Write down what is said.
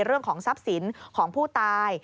เรื่องของทรัพย์สินของผู้ตาย